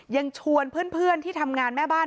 ยังชวนเพื่อนที่ทำงานแม่บ้าน